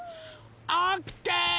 オッケー！